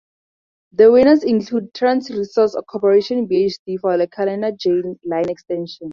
The winners include Trans Resource Corporation Bhd for the Kelana Jaya line extension.